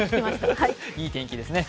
いい天気ですね。